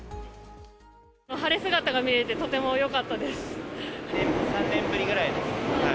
晴れ姿が見れて、とてもよか３年ぶりぐらいです。